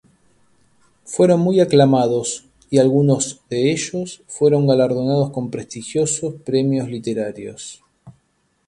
Fueron muy aclamados y algunos de ellos fueron galardonados con prestigiosos premios literarios.